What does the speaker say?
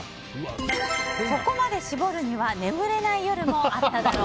そこまで絞るには眠れない夜もあっただろう。